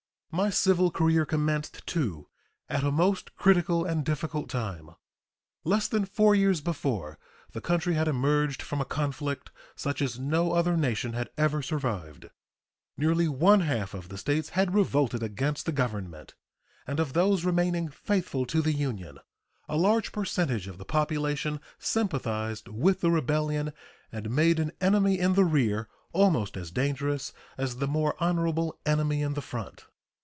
My civil career commenced, too, at a most critical and difficult time. Less than four years before, the country had emerged from a conflict such as no other nation had ever survived. Nearly one half of the States had revolted against the Government, and of those remaining faithful to the Union a large percentage of the population sympathized with the rebellion and made an "enemy in the rear" almost as dangerous as the more honorable enemy in the front.